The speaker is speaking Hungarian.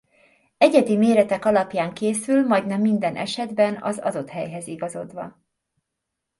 Egyedi méretek alapján készül majdnem minden esetben az adott helyhez igazodva.